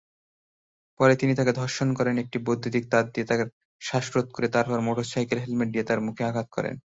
পরে তিনি তাকে ধর্ষণ করেন, একটি বৈদ্যুতিক তার দিয়ে তার শ্বাসরোধ করে তারপরে মোটরসাইকেল হেলমেট দিয়ে তার মুখে আঘাত করে।